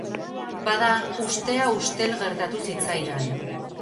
Bada, ustea ustel gertatu zitzaidan.